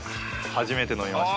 初めて飲みました。